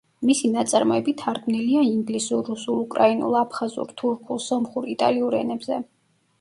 მისი ნაწარმოები თარგმნილია ინგლისურ, რუსულ, უკრაინულ, აფხაზურ, თურქულ, სომხურ, იტალიურ ენებზე.